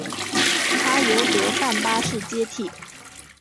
他由德范八世接替。